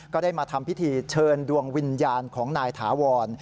ก็ได้มาทำพิธีเชิญดวงวิญญาณของนายถาวร